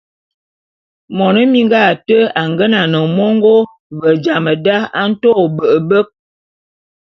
Mone minga ate a ngenan mongô, ve jam da a nto ôbe’ebek.